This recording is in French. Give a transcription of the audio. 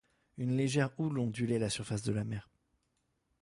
Une légère houle ondulait la surface de la mer.